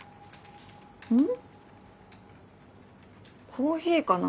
コーヒーかな？